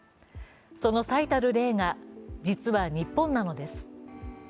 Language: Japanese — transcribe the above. その最たる例が実は日本なのです。